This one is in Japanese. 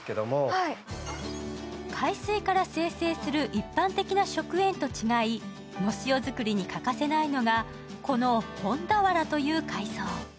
海水から精製する一般的な食塩と違い藻塩作りに欠かせないのがこのホンダワラという海藻。